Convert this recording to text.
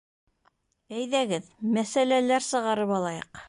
Әйҙәгеҙ, мәсьәләләр сығарып алайыҡ